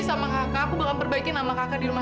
sampai jumpa di video selanjutnya